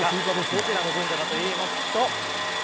どちらの神社かといいますと。